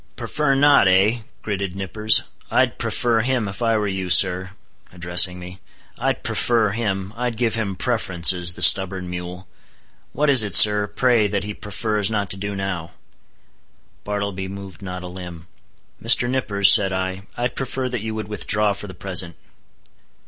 "Prefer not, eh?" gritted Nippers—"I'd prefer him, if I were you, sir," addressing me—"I'd prefer him; I'd give him preferences, the stubborn mule! What is it, sir, pray, that he prefers not to do now?" Bartleby moved not a limb. "Mr. Nippers," said I, "I'd prefer that you would withdraw for the present."